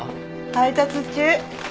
配達中。